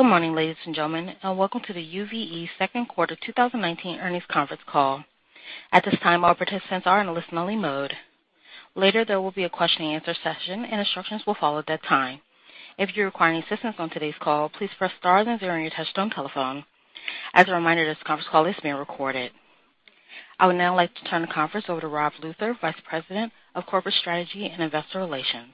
Good morning, ladies and gentlemen, and welcome to the UVE second quarter 2019 earnings conference call. At this time, all participants are in a listen-only mode. Later, there will be a question and answer session, and instructions will follow at that time. If you require any assistance on today's call, please press star then zero on your touchtone telephone. As a reminder, this conference call is being recorded. I would now like to turn the conference over to Rob Luther, Vice President of Corporate Strategy and Investor Relations.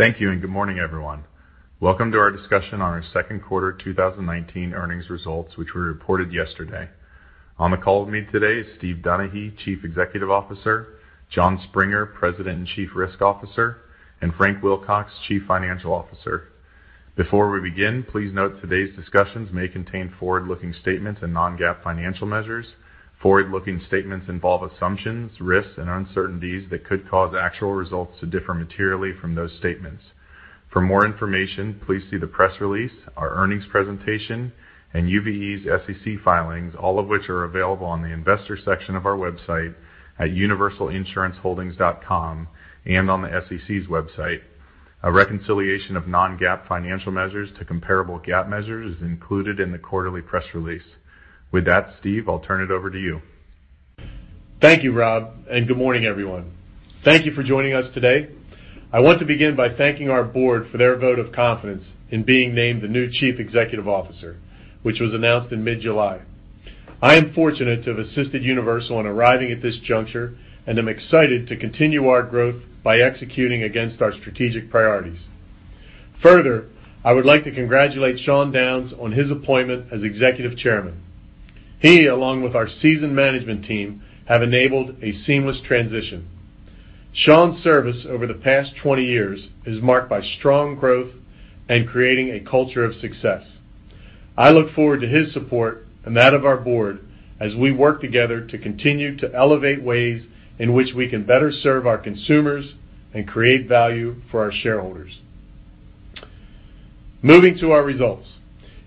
Thank you, and good morning, everyone. Welcome to our discussion on our second quarter 2019 earnings results, which were reported yesterday. On the call with me today is Steve Donaghy Chief Executive Officer, Jon Springer, President and Chief Risk Officer, and Frank Wilcox, Chief Financial Officer. Before we begin, please note today's discussions may contain forward-looking statements and non-GAAP financial measures. Forward-looking statements involve assumptions, risks, and uncertainties that could cause actual results to differ materially from those statements. For more information, please see the press release, our earnings presentation, and UVE's SEC filings, all of which are available on the investor section of our website at universalinsuranceholdings.com and on the SEC's website. A reconciliation of non-GAAP financial measures to comparable GAAP measure is included in the quarterly press release. With that, Steve, I'll turn it over to you. Thank you, Rob, and good morning, everyone. Thank you for joining us today. I want to begin by thanking our board for their vote of confidence in being named the new Chief Executive Officer, which was announced in mid-July. I am fortunate to have assisted Universal in arriving at this juncture, and I'm excited to continue our growth by executing against our strategic priorities. Further, I would like to congratulate Sean Downes on his appointment as Executive Chairman. He, along with our seasoned management team, have enabled a seamless transition. Sean's service over the past 20 years is marked by strong growth and creating a culture of success. I look forward to his support and that of our board as we work together to continue to elevate ways in which we can better serve our consumers and create value for our shareholders. Moving to our results.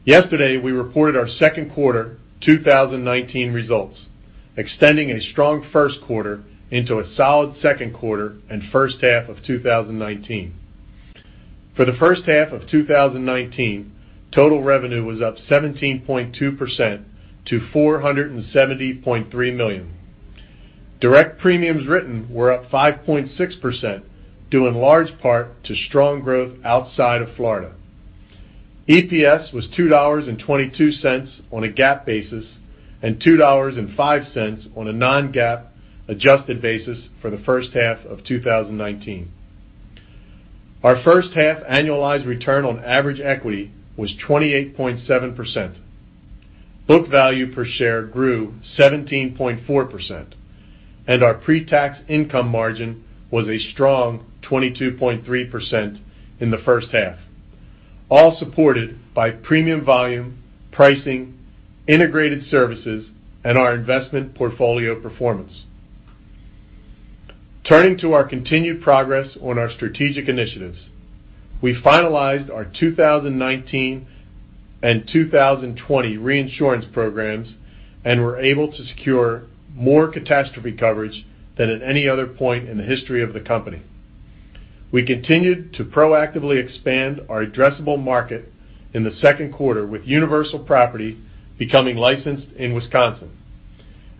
Yesterday, we reported our second quarter 2019 results, extending a strong first quarter into a solid second quarter and first half of 2019. For the first half of 2019, total revenue was up 17.2% to $470.3 million. Direct premiums written were up 5.6%, due in large part to strong growth outside of Florida. EPS was $2.22 on a GAAP basis and $2.05 on a non-GAAP adjusted basis for the first half of 2019. Our first half annualized return on average equity was 28.7%. Book value per share grew 17.4%, and our pre-tax income margin was a strong 22.3% in the first half, all supported by premium volume, pricing, integrated services, and our investment portfolio performance. Turning to our continued progress on our strategic initiatives. We finalized our 2019 and 2020 reinsurance programs and were able to secure more catastrophe coverage than at any other point in the history of the company. We continued to proactively expand our addressable market in the second quarter, with Universal Property becoming licensed in Wisconsin,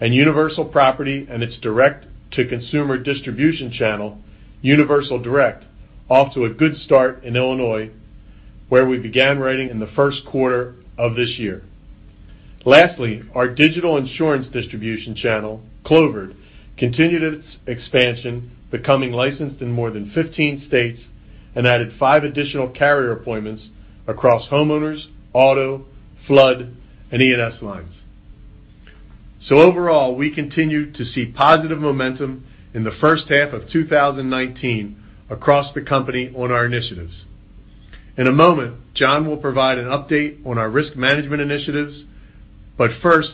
and Universal Property and its direct-to-consumer distribution channel, Universal Direct, off to a good start in Illinois, where we began writing in the first quarter of this year. Lastly, our digital insurance distribution channel, Clovered, continued its expansion, becoming licensed in more than 15 states and added five additional carrier appointments across homeowners, auto, flood, and E&S lines. Overall, we continued to see positive momentum in the first half of 2019 across the company on our initiatives. In a moment, Jon will provide an update on our risk management initiatives, first,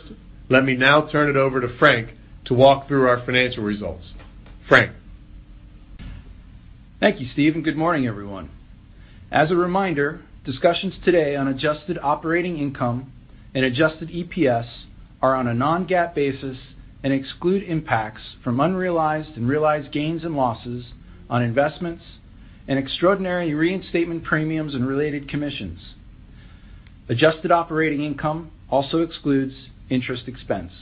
let me now turn it over to Frank to walk through our financial results. Frank. Thank you, Stephen, good morning, everyone. As a reminder, discussions today on adjusted operating income and adjusted EPS are on a non-GAAP basis and exclude impacts from unrealized and realized gains and losses on investments and extraordinary reinstatement premiums and related commissions. Adjusted operating income also excludes interest expense.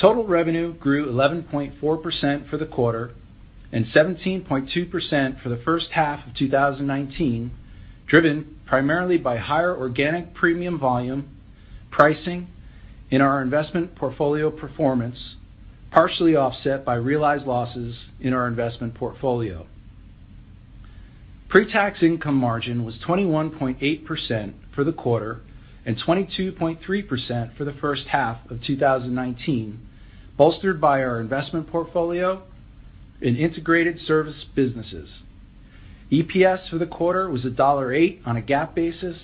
Total revenue grew 11.4% for the quarter and 17.2% for the first half of 2019, driven primarily by higher organic premium volume, pricing in our investment portfolio performance, partially offset by realized losses in our investment portfolio. Pre-tax income margin was 21.8% for the quarter and 22.3% for the first half of 2019, bolstered by our investment portfolio in integrated service businesses. EPS for the quarter was $1.08 on a GAAP basis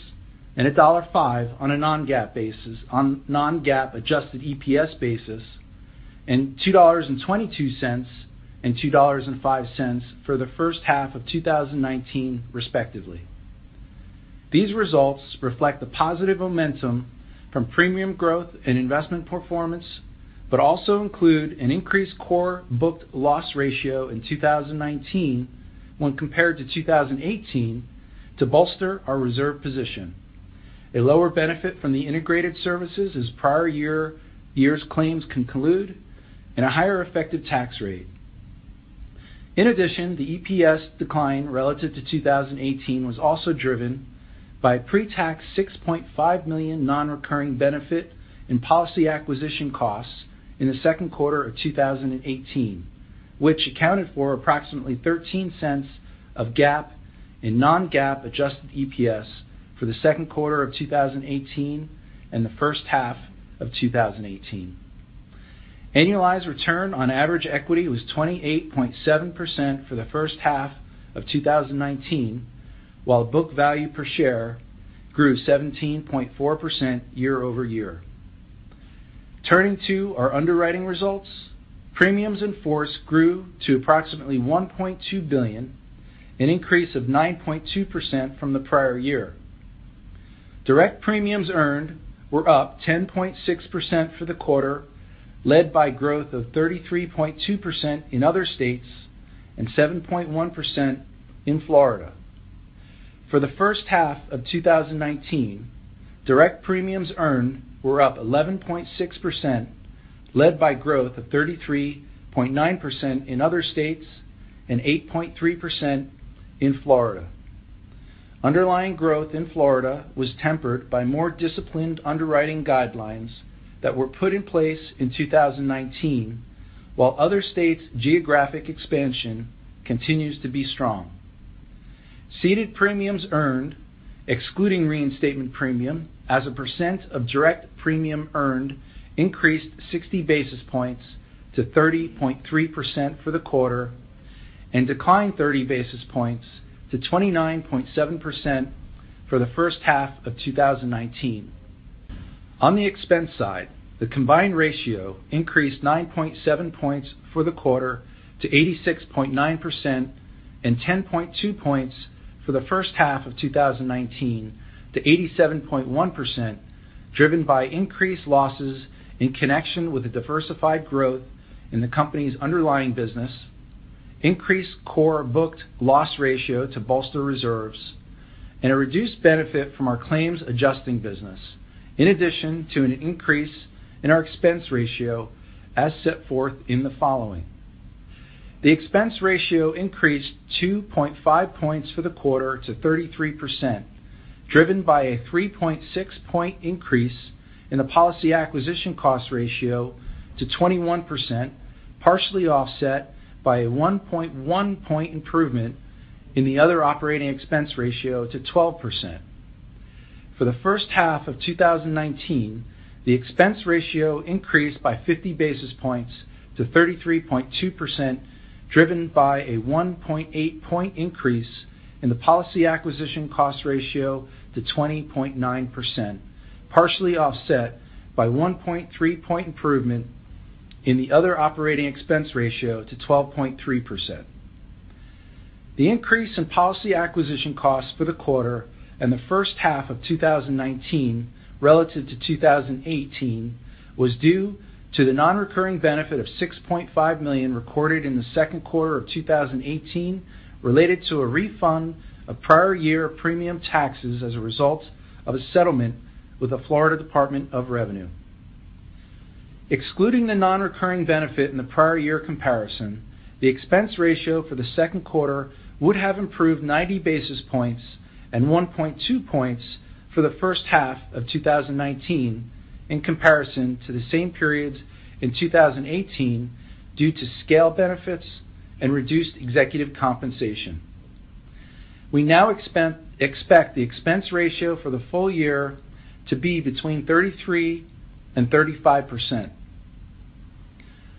and $1.05 on a non-GAAP adjusted EPS basis, and $2.22 and $2.05 for the first half of 2019, respectively. These results reflect the positive momentum from premium growth and investment performance, also include an increased core booked loss ratio in 2019 when compared to 2018 to bolster our reserve position, a lower benefit from the integrated services as prior year's claims conclude, and a higher effective tax rate. In addition, the EPS decline relative to 2018 was also driven by pre-tax $6.5 million non-recurring benefit in policy acquisition costs in the second quarter of 2018, which accounted for approximately $0.13 of GAAP and non-GAAP adjusted EPS for the second quarter of 2018 and the first half of 2018. Annualized return on average equity was 28.7% for the first half of 2019, while book value per share grew 17.4% year-over-year. Turning to our underwriting results, premiums in force grew to approximately $1.2 billion, an increase of 9.2% from the prior year. Direct premiums earned were up 10.6% for the quarter, led by growth of 33.2% in other states and 7.1% in Florida. For the first half of 2019, direct premiums earned were up 11.6%, led by growth of 33.9% in other states and 8.3% in Florida. Underlying growth in Florida was tempered by more disciplined underwriting guidelines that were put in place in 2019, while other states' geographic expansion continues to be strong. Ceded premiums earned, excluding reinstatement premium, as a percent of direct premium earned increased 60 basis points to 30.3% for the quarter and declined 30 basis points to 29.7% for the first half of 2019. On the expense side, the combined ratio increased 9.7 points for the quarter to 86.9% and 10.2 points for the first half of 2019 to 87.1%, driven by increased losses in connection with the diversified growth in the company's underlying business, increased core booked loss ratio to bolster reserves, and a reduced benefit from our claims adjusting business, in addition to an increase in our expense ratio as set forth in the following. The expense ratio increased 2.5 points for the quarter to 33%, driven by a 3.6-point increase in the policy acquisition cost ratio to 21%, partially offset by a 1.1-point improvement in the other operating expense ratio to 12%. For the first half of 2019, the expense ratio increased by 50 basis points to 33.2%, driven by a 1.8-point increase in the policy acquisition cost ratio to 20.9%, partially offset by 1.3-point improvement in the other operating expense ratio to 12.3%. The increase in policy acquisition costs for the quarter and the first half of 2019 relative to 2018 was due to the non-recurring benefit of $6.5 million recorded in the second quarter of 2018 related to a refund of prior year premium taxes as a result of a settlement with the Florida Department of Revenue. Excluding the non-recurring benefit in the prior year comparison, the expense ratio for the second quarter would have improved 90 basis points and 1.2 points for the first half of 2019 in comparison to the same periods in 2018 due to scale benefits and reduced executive compensation. We now expect the expense ratio for the full year to be between 33% and 35%.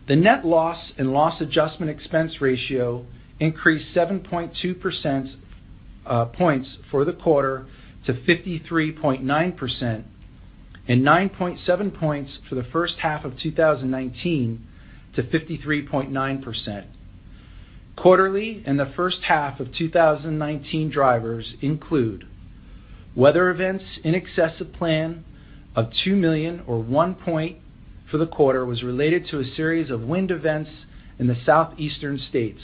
The net loss and loss adjustment expense ratio increased 7.2 points for the quarter to 53.9% and 9.7 points for the first half of 2019 to 53.9%. Quarterly and the first half of 2019 drivers include weather events in excess of plan of $2 million or one point for the quarter was related to a series of wind events in the southeastern states.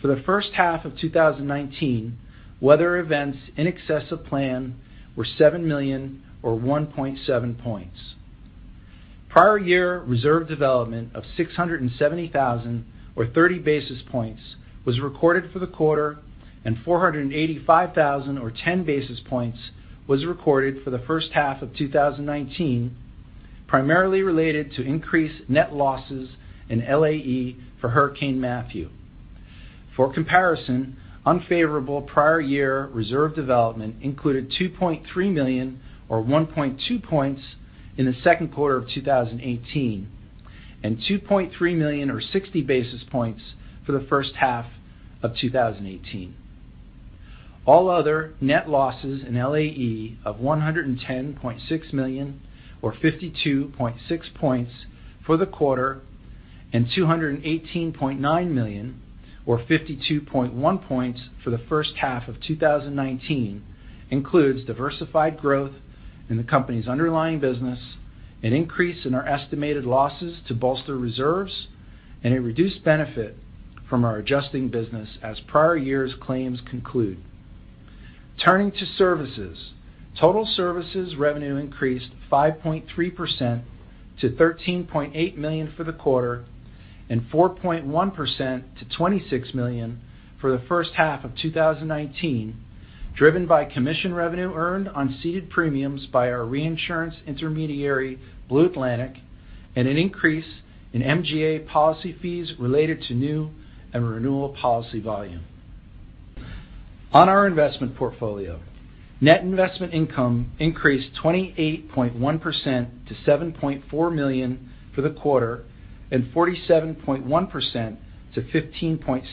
For the first half of 2019, weather events in excess of plan were $7 million, or 1.7 points. Prior year reserve development of 670,000 or 30 basis points was recorded for the quarter, and 485,000 or 10 basis points was recorded for the first half of 2019, primarily related to increased net losses in LAE for Hurricane Matthew. For comparison, unfavorable prior year reserve development included $2.3 million or 1.2 points in the second quarter of 2018 and $2.3 million or 60 basis points for the first half of 2018. All other net losses in LAE of $110.6 million or 52.6 points for the quarter, $218.9 million or 52.1 points for the first half of 2019, includes diversified growth in the company's underlying business, an increase in our estimated losses to bolster reserves, and a reduced benefit from our adjusting business as prior years' claims conclude. Turning to services. Total services revenue increased 5.3% to $13.8 million for the quarter, and 4.1% to $26 million for the first half of 2019, driven by commission revenue earned on ceded premiums by our reinsurance intermediary, Blue Atlantic, and an increase in MGA policy fees related to new and renewal policy volume. On our investment portfolio, net investment income increased 28.1% to $7.4 million for the quarter and 47.1% to $15.6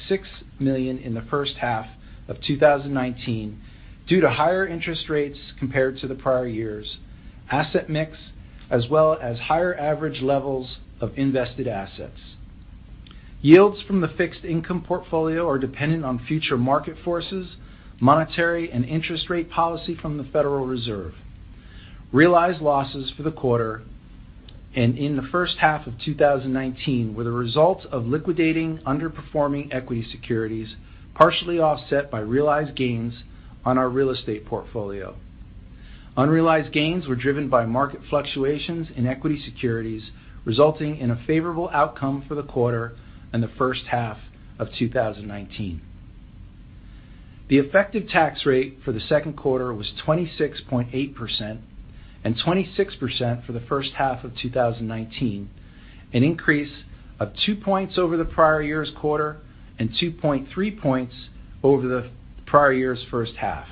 million in the first half of 2019, due to higher interest rates compared to the prior year's asset mix, as well as higher average levels of invested assets. Yields from the fixed income portfolio are dependent on future market forces, monetary and interest rate policy from the Federal Reserve. Realized losses for the quarter and in the first half of 2019 were the result of liquidating underperforming equity securities, partially offset by realized gains on our real estate portfolio. Unrealized gains were driven by market fluctuations in equity securities, resulting in a favorable outcome for the quarter and the first half of 2019. The effective tax rate for the second quarter was 26.8% and 26% for the first half of 2019, an increase of two points over the prior year's quarter and 2.3 points over the prior year's first half.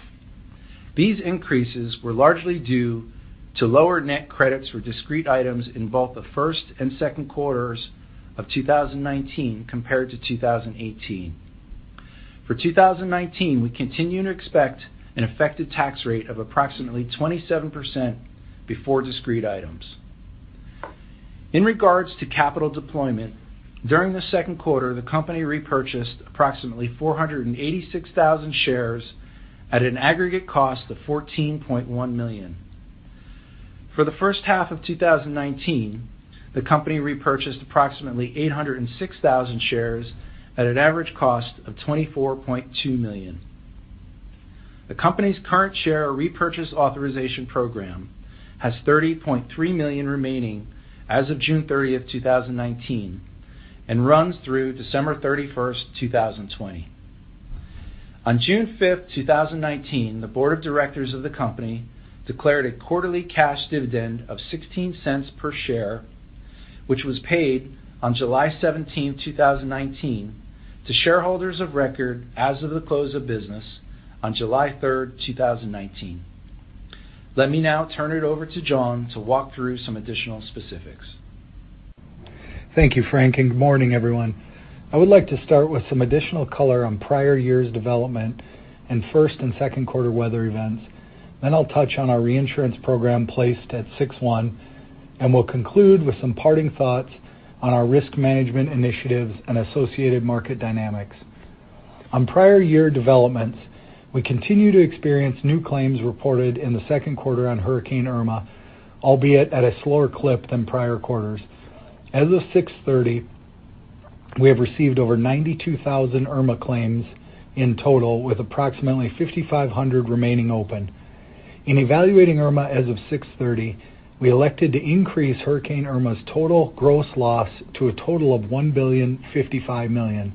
These increases were largely due to lower net credits for discrete items in both the first and second quarters of 2019 compared to 2018. For 2019, we continue to expect an effective tax rate of approximately 27% before discrete items. In regards to capital deployment, during the second quarter, the company repurchased approximately 486,000 shares at an aggregate cost of $14.1 million. For the first half of 2019, the company repurchased approximately 806,000 shares at an average cost of $24.2 million. The company's current share repurchase authorization program has $30.3 million remaining as of June 30, 2019 and runs through December 31, 2020. On June 5, 2019, the Board of Directors of the company declared a quarterly cash dividend of $0.16 per share, which was paid on July 17, 2019, to shareholders of record as of the close of business on July 3, 2019. Let me now turn it over to Jon to walk through some additional specifics. Thank you, Frank. I would like to start with some additional color on prior years development and first and second quarter weather events. I'll touch on our reinsurance program placed at 6/1, and we'll conclude with some parting thoughts on our risk management initiatives and associated market dynamics. On prior year developments, we continue to experience new claims reported in the second quarter on Hurricane Irma, albeit at a slower clip than prior quarters. As of 6/30, we have received over 92,000 Irma claims in total, with approximately 5,500 remaining open. In evaluating Irma as of 6/30, we elected to increase Hurricane Irma's total gross loss to a total of $1 billion, 55 million.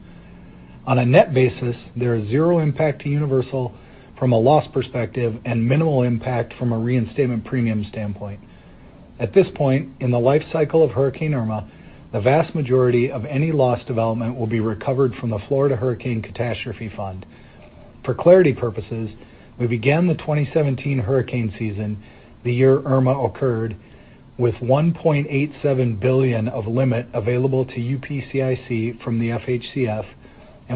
On a net basis, there is zero impact to Universal from a loss perspective and minimal impact from a reinstatement premium standpoint. At this point in the life cycle of Hurricane Irma, the vast majority of any loss development will be recovered from the Florida Hurricane Catastrophe Fund. For clarity purposes, we began the 2017 hurricane season, the year Irma occurred, with $1.87 billion of limit available to UPCIC from the FHCF.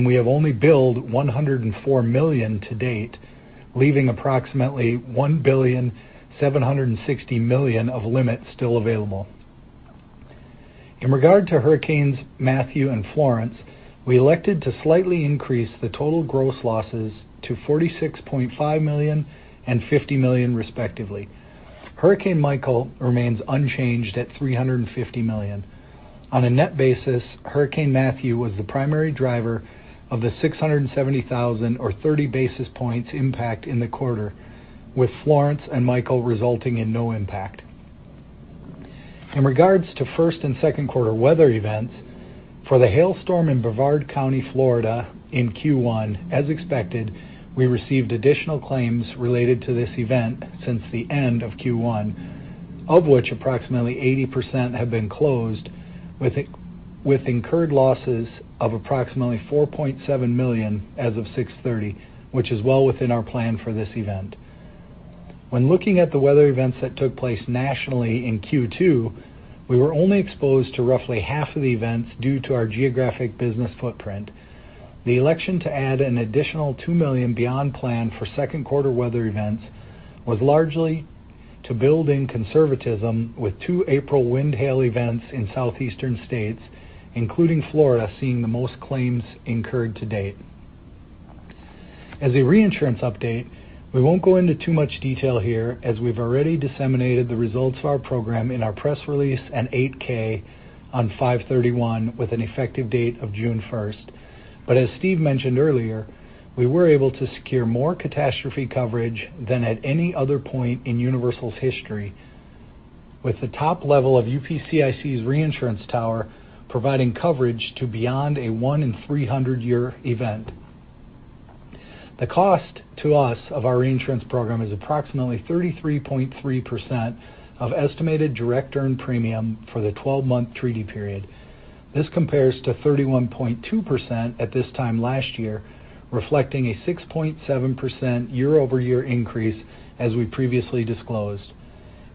We have only billed $104 million to date, leaving approximately $1 billion, 760 million of limits still available. In regard to Hurricanes Matthew and Florence, we elected to slightly increase the total gross losses to $46.5 million and $50 million respectively. Hurricane Michael remains unchanged at $350 million. On a net basis, Hurricane Matthew was the primary driver of the $670,000 or 30 basis points impact in the quarter, with Florence and Michael resulting in no impact. In regards to first and second quarter weather events, for the hailstorm in Brevard County, Florida in Q1, as expected, we received additional claims related to this event since the end of Q1, of which approximately 80% have been closed with incurred losses of approximately $4.7 million as of 6/30, which is well within our plan for this event. When looking at the weather events that took place nationally in Q2, we were only exposed to roughly half of the events due to our geographic business footprint. The election to add an additional $2 million beyond plan for second quarter weather events was largely to build in conservatism with two April wind hail events in southeastern states, including Florida seeing the most claims incurred to date. As a reinsurance update, we won't go into too much detail here, as we've already disseminated the results of our program in our press release and 8-K on 5/31 with an effective date of June 1st. As Steve mentioned earlier, we were able to secure more catastrophe coverage than at any other point in Universal's history, with the top level of UPCIC's reinsurance tower providing coverage to beyond a one in 300 year event. The cost to us of our reinsurance program is approximately 33.3% of estimated direct earned premium for the 12-month treaty period. This compares to 31.2% at this time last year, reflecting a 6.7% year-over-year increase as we previously disclosed.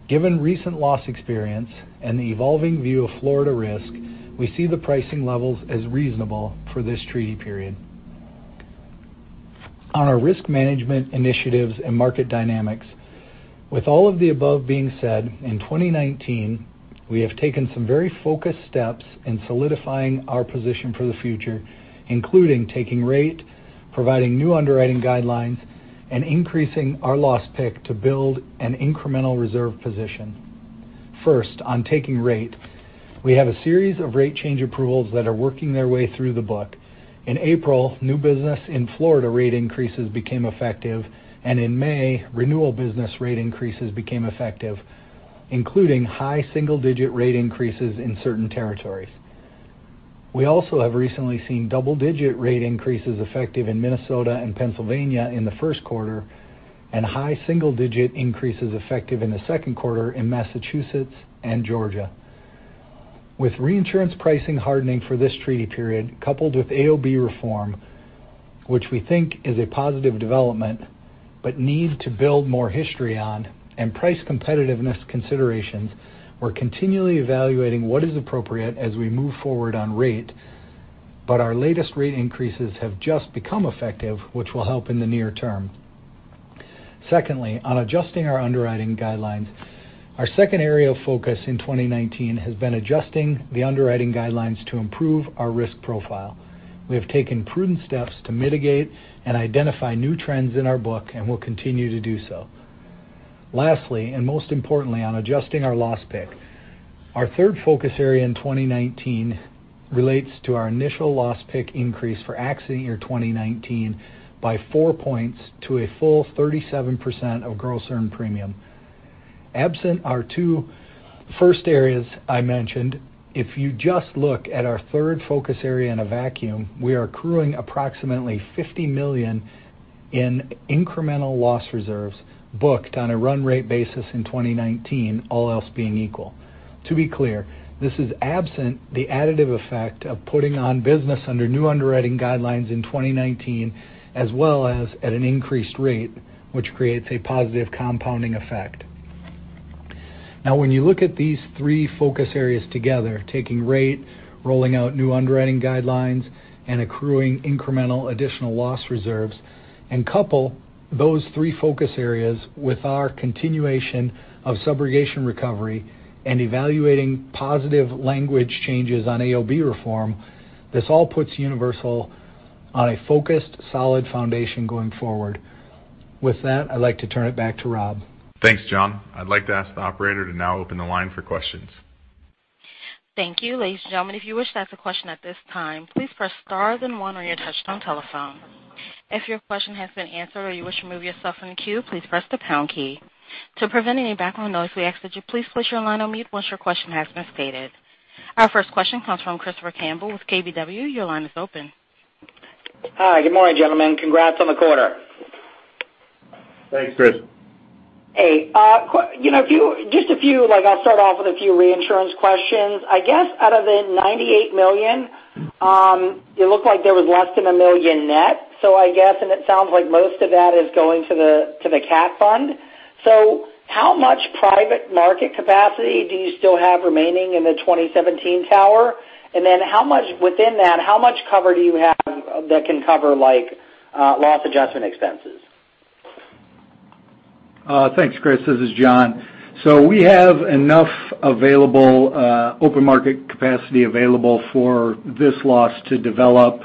Given recent loss experience and the evolving view of Florida risk, we see the pricing levels as reasonable for this treaty period. On our risk management initiatives and market dynamics, with all of the above being said, in 2019, we have taken some very focused steps in solidifying our position for the future, including taking rate, providing new underwriting guidelines, and increasing our loss pick to build an incremental reserve position. First, on taking rate, we have a series of rate change approvals that are working their way through the book. In April, new business in Florida rate increases became effective, and in May, renewal business rate increases became effective, including high single-digit rate increases in certain territories. We also have recently seen double-digit rate increases effective in Minnesota and Pennsylvania in the first quarter, and high single-digit increases effective in the second quarter in Massachusetts and Georgia. With reinsurance pricing hardening for this treaty period coupled with AOB reform, which we think is a positive development but need to build more history on, and price competitiveness considerations, we're continually evaluating what is appropriate as we move forward on rate. Our latest rate increases have just become effective, which will help in the near term. Secondly, on adjusting our underwriting guidelines, our second area of focus in 2019 has been adjusting the underwriting guidelines to improve our risk profile. We have taken prudent steps to mitigate and identify new trends in our book and will continue to do so. Lastly, and most importantly on adjusting our loss pick, our third focus area in 2019 relates to our initial loss pick increase for accident year 2019 by four points to a full 37% of gross earned premium. Absent our two first areas I mentioned, if you just look at our third focus area in a vacuum, we are accruing approximately $50 million in incremental loss reserves booked on a run rate basis in 2019, all else being equal. To be clear, this is absent the additive effect of putting on business under new underwriting guidelines in 2019, as well as at an increased rate, which creates a positive compounding effect. When you look at these three focus areas together, taking rate, rolling out new underwriting guidelines, and accruing incremental additional loss reserves, and couple those three focus areas with our continuation of subrogation recovery and evaluating positive language changes on AOB reform, this all puts Universal on a focused, solid foundation going forward. With that, I'd like to turn it back to Rob. Thanks, Jon. I'd like to ask the operator to now open the line for questions. Thank you. Ladies and gentlemen, if you wish to ask a question at this time, please press star then one on your touchtone telephone. If your question has been answered or you wish to remove yourself from the queue, please press the pound key. To prevent any background noise, we ask that you please place your line on mute once your question has been stated. Our first question comes from Christopher Campbell with KBW. Your line is open. Hi. Good morning, gentlemen. Congrats on the quarter. Thanks, Chris. Hey. I'll start off with a few reinsurance questions. I guess out of the $98 million, it looked like there was less than $1 million net. I guess, and it sounds like most of that is going to the cat fund. How much private market capacity do you still have remaining in the 2017 tower? And then within that, how much cover do you have that can cover loss adjustment expenses? Thanks, Christopher. This is Jon. We have enough open market capacity available for this loss to develop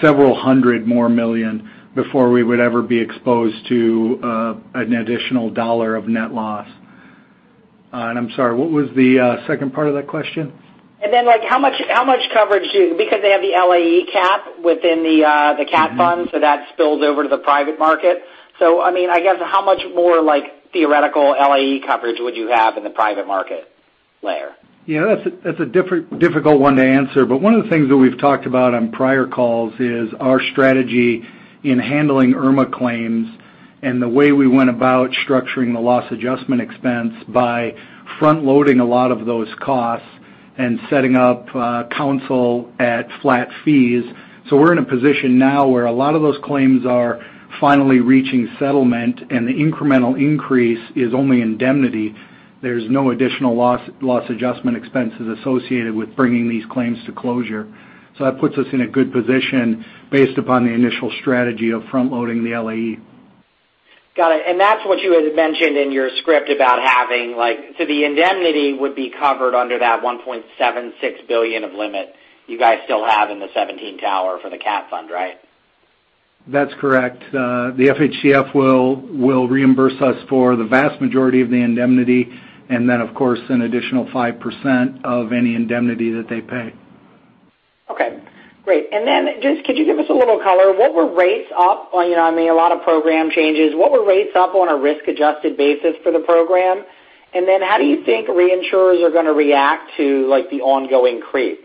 several hundred million more before we would ever be exposed to an additional dollar of net loss. I am sorry, what was the second part of that question? How much coverage do you, because they have the LAE cap within the cat fund, so that spills over to the private market. I guess, how much more theoretical LAE coverage would you have in the private market layer? That is a difficult one to answer, but one of the things that we have talked about on prior calls is our strategy in handling Irma claims and the way we went about structuring the loss adjustment expense by front-loading a lot of those costs and setting up counsel at flat fees. We are in a position now where a lot of those claims are finally reaching settlement, and the incremental increase is only indemnity. There is no additional loss adjustment expenses associated with bringing these claims to closure. That puts us in a good position based upon the initial strategy of front-loading the LAE. Got it. That is what you had mentioned in your script about having, so the indemnity would be covered under that $1.76 billion of limit you guys still have in the '17 tower for the cat fund, right? That's correct. The FHCF will reimburse us for the vast majority of the indemnity, and then, of course, an additional 5% of any indemnity that they pay. Okay, great. Just could you give us a little color? What were rates up on, I mean, a lot of program changes. What were rates up on a risk-adjusted basis for the program? How do you think reinsurers are going to react to the ongoing creep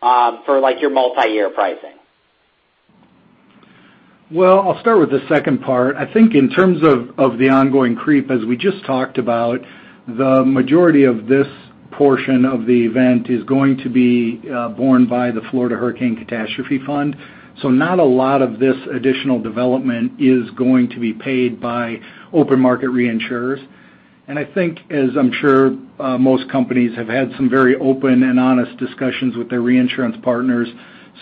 for your multi-year pricing? Well, I'll start with the second part. I think in terms of the ongoing creep, as we just talked about, the majority of this portion of the event is going to be borne by the Florida Hurricane Catastrophe Fund. Not a lot of this additional development is going to be paid by open market reinsurers. I think, as I'm sure most companies have had some very open and honest discussions with their reinsurance partners,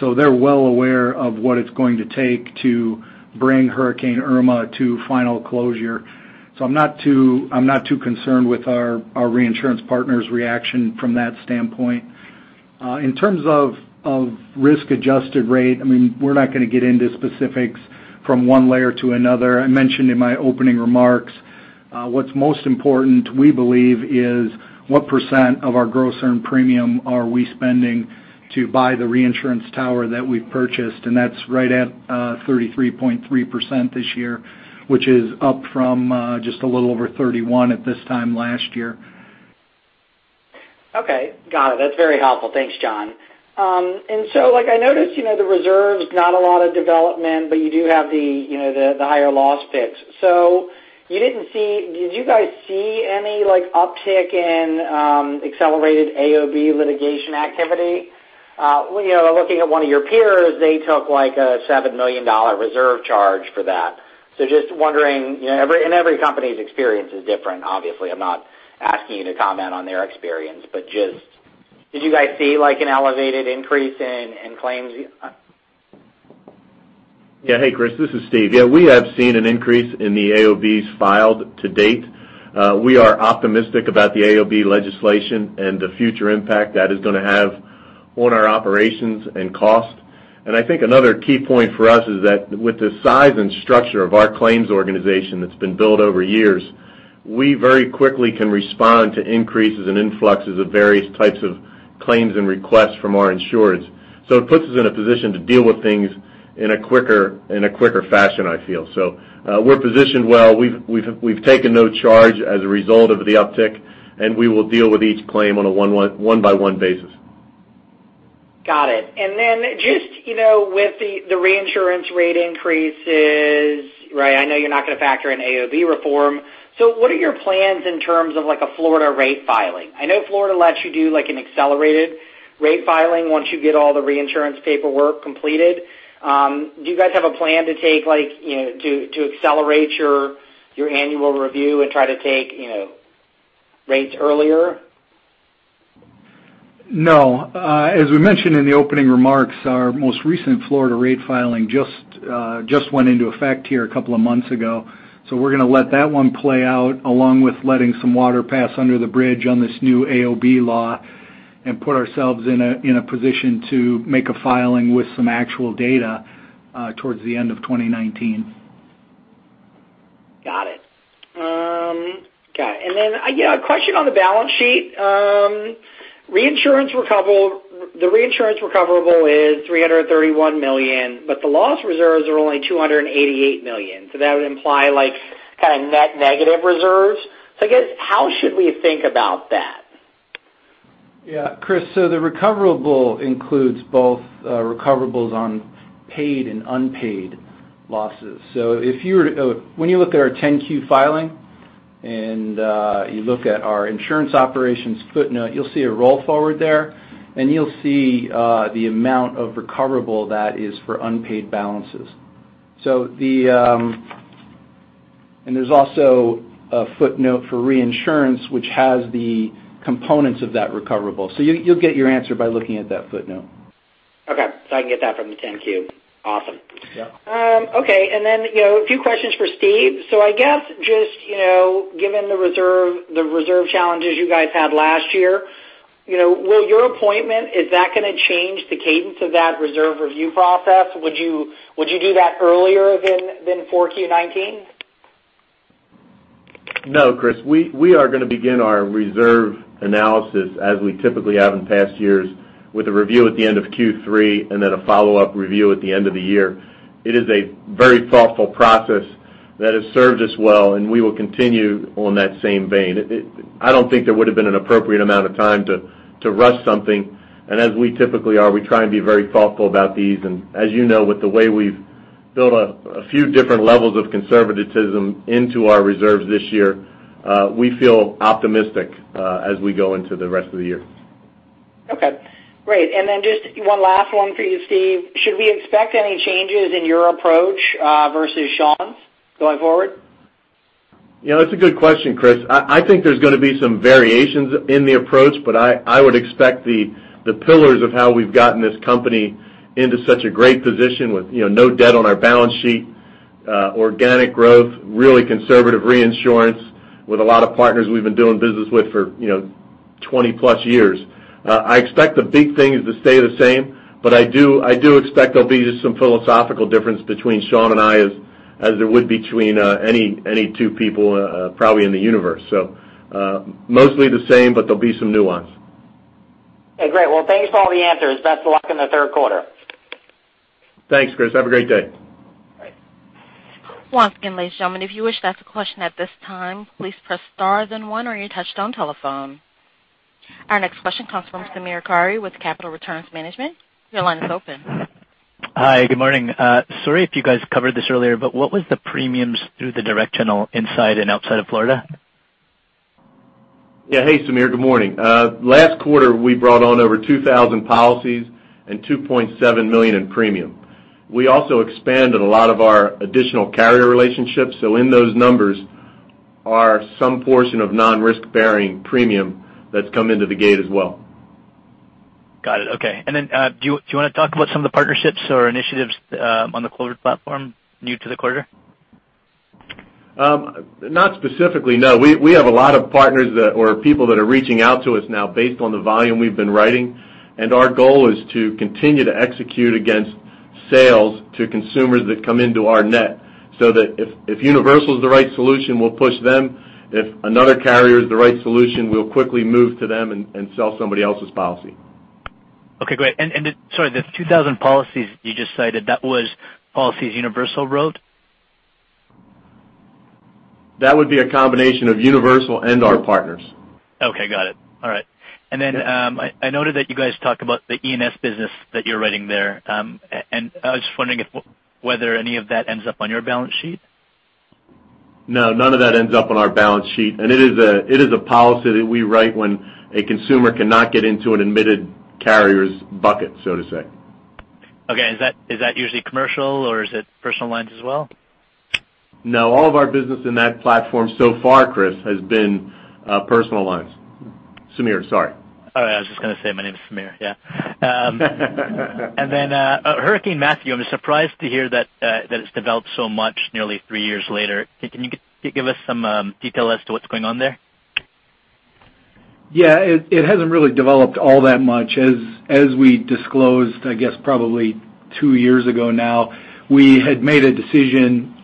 so they're well aware of what it's going to take to bring Hurricane Irma to final closure. I'm not too concerned with our reinsurance partner's reaction from that standpoint. In terms of risk-adjusted rate, we're not going to get into specifics from one layer to another. I mentioned in my opening remarks, what's most important, we believe, is what percent of our gross earned premium are we spending to buy the reinsurance tower that we've purchased, and that's right at 33.3% this year, which is up from just a little over 31 at this time last year. Okay. Got it. That's very helpful. Thanks, Jon. I noticed the reserves, not a lot of development, but you do have the higher loss picks. Did you guys see any uptick in accelerated AOB litigation activity? Looking at one of your peers, they took a $7 million reserve charge for that. Just wondering, and every company's experience is different, obviously, I'm not asking you to comment on their experience, but just did you guys see an elevated increase in claims? Hey, Chris, this is Steve. We have seen an increase in the AOBs filed to date. We are optimistic about the AOB legislation and the future impact that is going to have on our operations and cost. I think another key point for us is that with the size and structure of our claims organization that's been built over years, we very quickly can respond to increases and influxes of various types of claims and requests from our insurers. It puts us in a position to deal with things in a quicker fashion I feel. We're positioned well. We've taken no charge as a result of the uptick, and we will deal with each claim on a one-by-one basis. Got it. Just with the reinsurance rate increases, I know you're not going to factor in AOB reform. What are your plans in terms of a Florida rate filing? I know Florida lets you do an accelerated rate filing once you get all the reinsurance paperwork completed. Do you guys have a plan to accelerate your annual review and try to take rates earlier? No. As we mentioned in the opening remarks, our most recent Florida rate filing just went into effect here a couple of months ago. We're going to let that one play out along with letting some water pass under the bridge on this new AOB law and put ourselves in a position to make a filing with some actual data towards the end of 2019. Got it. Then a question on the balance sheet. The reinsurance recoverable is $331 million, but the loss reserves are only $288 million. That would imply kind of net negative reserves. I guess, how should we think about that? Yeah. Chris, the recoverable includes both recoverables on paid and unpaid losses. When you look at our 10-Q filing, you look at our insurance operations footnote, you'll see a roll forward there, you'll see the amount of recoverable that is for unpaid balances. There's also a footnote for reinsurance which has the components of that recoverable. You'll get your answer by looking at that footnote. Okay. I can get that from the 10-Q. Awesome. Yeah. Okay, then a few questions for Steve. I guess just given the reserve challenges you guys had last year, will your appointment, is that going to change the cadence of that reserve review process? Would you do that earlier than for 4Q19? No, Christopher, we are going to begin our reserve analysis, as we typically have in past years, with a review at the end of Q3 and then a follow-up review at the end of the year. It is a very thoughtful process that has served us well, and we will continue on that same vein. I don't think there would've been an appropriate amount of time to rush something, as we typically are, we try and be very thoughtful about these. As you know, with the way we've built a few different levels of conservatism into our reserves this year, we feel optimistic as we go into the rest of the year. Okay, great. Then just one last one for you, Stephen. Should we expect any changes in your approach versus Sean's going forward? It's a good question, Christopher. I think there's going to be some variations in the approach, but I would expect the pillars of how we've gotten this company into such a great position with no debt on our balance sheet, organic growth, really conservative reinsurance with a lot of partners we've been doing business with for 20 plus years. I expect the big things to stay the same, I do expect there'll be just some philosophical difference between Sean and I, as there would between any two people probably in the universe. Mostly the same, but there'll be some nuance. Okay, great. Well, thanks for all the answers. Best of luck in the third quarter. Thanks, Chris. Have a great day. Bye. Once again, ladies and gentlemen, if you wish to ask a question at this time, please press star then one on your touchtone telephone. Our next question comes from Samir Khare with Capital Returns Management. Your line is open. Hi, good morning. Sorry if you guys covered this earlier, what was the premiums through the direct channel inside and outside of Florida? Yeah. Hey, Samir. Good morning. Last quarter, we brought on over 2,000 policies and $2.7 million in premium. We also expanded a lot of our additional carrier relationships. In those numbers are some portion of non-risk-bearing premium that's come into the gate as well. Got it. Okay. Do you want to talk about some of the partnerships or initiatives on the Clovered platform new to the quarter? Not specifically, no. We have a lot of partners that or people that are reaching out to us now based on the volume we've been writing. Our goal is to continue to execute against sales to consumers that come into our net, so that if Universal's the right solution, we'll push them. If another carrier is the right solution, we'll quickly move to them and sell somebody else's policy. Okay, great. Sorry, the 2,000 policies you just cited, that was policies Universal wrote? That would be a combination of Universal and our partners. Okay, got it. All right. I noted that you guys talk about the E&S business that you're writing there. I was just wondering whether any of that ends up on your balance sheet. No, none of that ends up on our balance sheet. It is a policy that we write when a consumer cannot get into an admitted carrier's bucket, so to say. Okay. Is that usually commercial or is it personal lines as well? No, all of our business in that platform so far, Chris, has been personal lines. Samir, sorry. I was just going to say my name is Samir. Hurricane Matthew, I'm surprised to hear that it's developed so much nearly 3 years later. Can you give us some detail as to what's going on there? It hasn't really developed all that much. As we disclosed, I guess probably 2 years ago now, we had made a decision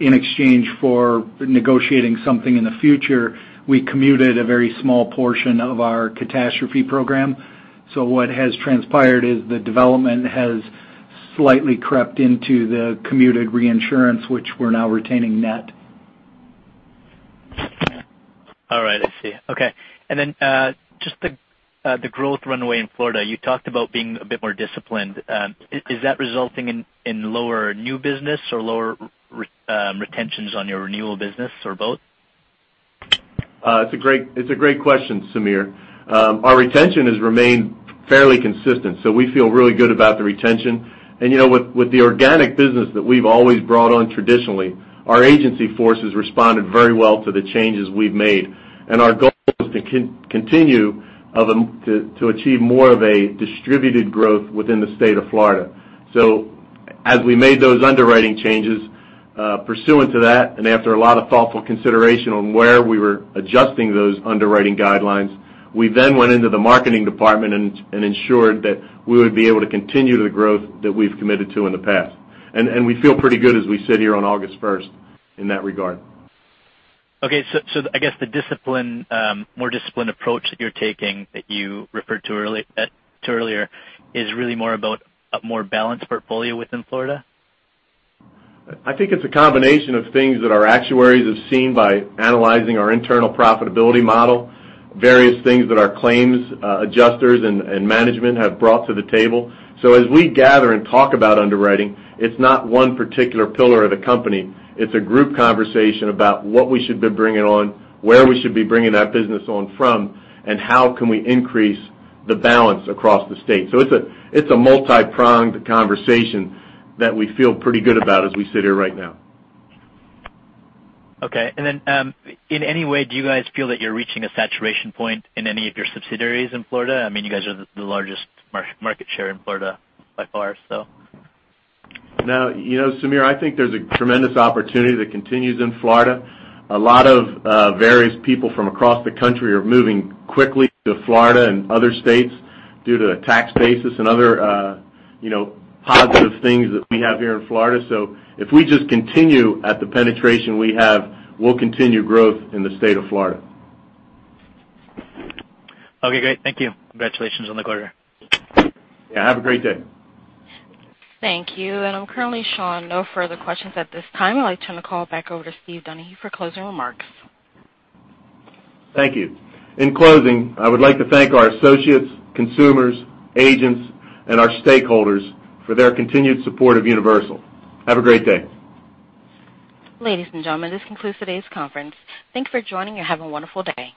in exchange for negotiating something in the future. We commuted a very small portion of our catastrophe program. What has transpired is the development has slightly crept into the commuted reinsurance, which we're now retaining net. I see. Just the growth runway in Florida, you talked about being a bit more disciplined. Is that resulting in lower new business or lower retentions on your renewal business or both? It's a great question, Samir. Our retention has remained fairly consistent, so we feel really good about the retention. With the organic business that we've always brought on traditionally, our agency force has responded very well to the changes we've made. Our goal is to continue to achieve more of a distributed growth within the state of Florida. As we made those underwriting changes pursuant to that, and after a lot of thoughtful consideration on where we were adjusting those underwriting guidelines, we then went into the marketing department and ensured that we would be able to continue the growth that we've committed to in the past. We feel pretty good as we sit here on August 1st in that regard. I guess the more disciplined approach that you're taking, that you referred to earlier is really more about a more balanced portfolio within Florida? I think it's a combination of things that our actuaries have seen by analyzing our internal profitability model, various things that our claims adjusters and management have brought to the table. As we gather and talk about underwriting, it's not one particular pillar of the company. It's a group conversation about what we should be bringing on, where we should be bringing that business on from, and how can we increase the balance across the state. It's a multi-pronged conversation that we feel pretty good about as we sit here right now. Okay. In any way, do you guys feel that you're reaching a saturation point in any of your subsidiaries in Florida? You guys are the largest market share in Florida by far. No. Samir, I think there's a tremendous opportunity that continues in Florida. A lot of various people from across the country are moving quickly to Florida and other states due to tax basis and other positive things that we have here in Florida. If we just continue at the penetration we have, we'll continue growth in the state of Florida. Okay, great. Thank you. Congratulations on the quarter. Yeah, have a great day. Thank you. I'm currently showing no further questions at this time. I'd like to turn the call back over to Steve Donaghy for closing remarks. Thank you. In closing, I would like to thank our associates, consumers, agents, and our stakeholders for their continued support of Universal. Have a great day. Ladies and gentlemen, this concludes today's conference. Thanks for joining and have a wonderful day.